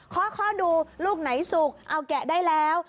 ข้อดูลูกไหนสุกเอาแกะได้แล้ว